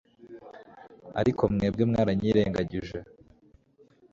ariko mwebwe mwaranyirengagije